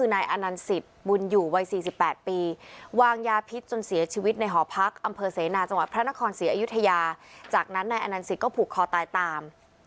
นายอนันสิตบุญอยู่วัย๔๘ปีวางยาพิษจนเสียชีวิตในหอพักอำเภอเสนาจังหวัดพระนครศรีอยุธยาจากนั้นนายอนันสิตก็ผูกคอตายตาม